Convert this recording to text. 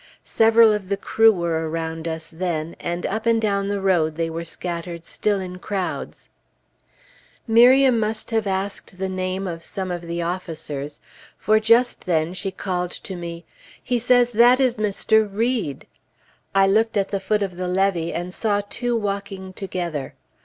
Several of the crew were around us then, and up and down the road they were scattered still in crowds. [Illustration: FACSIMILE OF A PAGE FROM THE DIARY] Miriam must have asked the name of some of the officers; for just then she called to me, "He says that is Mr. Read!" I looked at the foot of the levee, and saw two walking together.